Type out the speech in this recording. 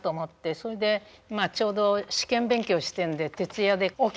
それでちょうど試験勉強してるので徹夜で起きてましたけど。